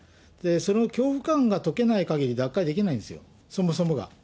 その恐怖感が解けないかぎり、脱会できないんですよ、そもそもが。